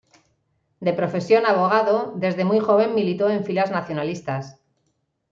De profesión abogado, desde muy joven militó en filas nacionalistas.